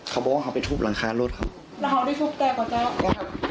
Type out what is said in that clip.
เขาบอกว่าเขาไปทุบหลังคารถครับ